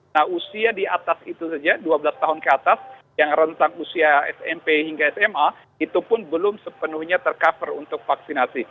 nah usia di atas itu saja dua belas tahun ke atas yang rentang usia smp hingga sma itu pun belum sepenuhnya tercover untuk vaksinasi